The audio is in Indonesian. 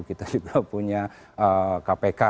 kita juga punya kpk